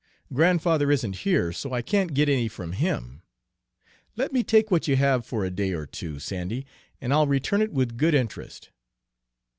Grandfather isn't here, so I can't get any from him. Let me take what you have for a day or two, Sandy, and I'll return it with good interest."